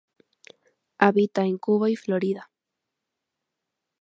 Habita en Cuba y Florida.